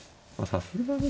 さすがに。